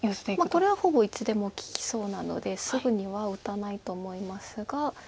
これはほぼいつでも利きそうなのですぐには打たないと思いますが。